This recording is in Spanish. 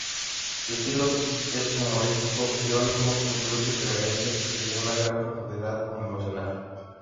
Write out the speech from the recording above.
Su estilo es humorístico, irónico, incluso irreverente y de una gran profundidad emocional.